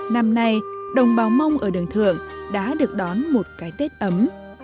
năm nay đồng bào mông ở đường thượng đã được đón một cái tết ấm